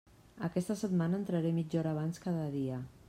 Aquesta setmana entraré mitja hora abans cada dia.